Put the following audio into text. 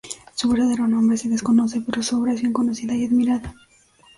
Su verdadero nombre se desconoce pero su obra es bien conocida y admirada.